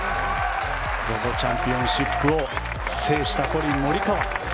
ＺＯＺＯチャンピオンシップを制したコリン・モリカワ。